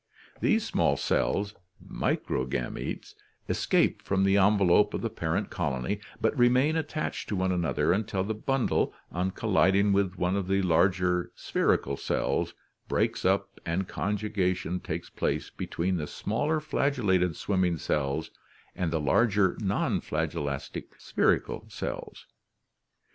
These small cells (microgametes) escape from the envelope of the parent colony, but remain attached to one another until the bundle, on colliding with one of the " larger spherical cells, breaks up and conjuga tion takes place between the smaller flagel lated swimming cells and the larger non fiagellatc spherical cells.